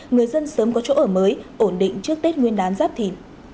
người dân sớm có chỗ ở mới ổn định trước tết nguyên đán giáp thìn